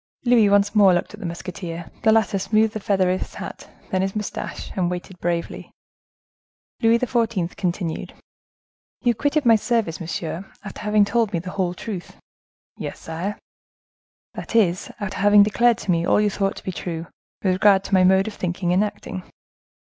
Louis once more looked at the musketeer. The latter smoothed the feather of his hat, then his mustache, and waited bravely. Louis XIV. continued: "You quitted my service, monsieur, after having told me the whole truth?" "Yes, sire." "That is, after having declared to me all you thought to be true, with regard to my mode of thinking and acting.